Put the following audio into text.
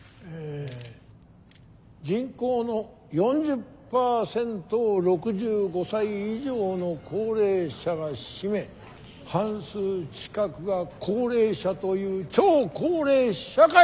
人口の４０％を６５歳以上の高齢者が占め半数近くが高齢者という超高齢社会！